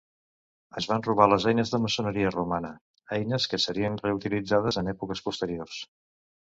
Es van robar les eines de maçoneria romana; eines que serien reutilitzades en èpoques posteriors.